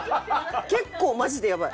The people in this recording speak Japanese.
結構マジでやばい！